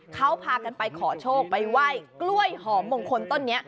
เขาพากันไปขอโชคไปไหว้กล้วยหอมมงคลต้นนี้